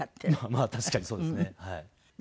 まあ確かにそうですねはい。